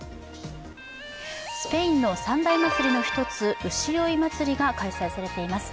スペインの三大祭りの一つ、牛追い祭りが開催されています。